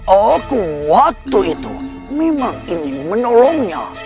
aku waktu itu memang ingin menolongnya